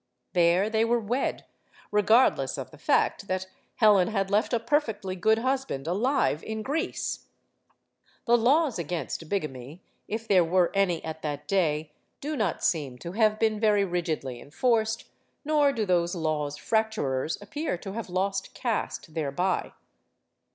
There they were wed; regardless of the fact that Helen had left a perfectly good husband alive in Greece. The laws against bigamy if there were any at that day do not seem to have been very rigidly enforced; nor do those laws* fracturers appear to have lost caste thereby.